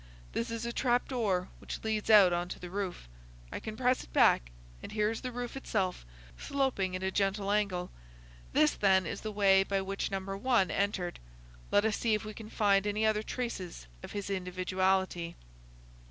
"This is a trap door which leads out on to the roof. I can press it back, and here is the roof itself, sloping at a gentle angle. This, then, is the way by which Number One entered. Let us see if we can find any other traces of his individuality."